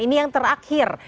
ini yang terakhir